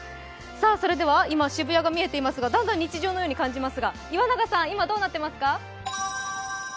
それでは今、渋谷が見えていますがだんだん日常のように感じますが岩永さん、どうなっていますか？